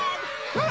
うわ！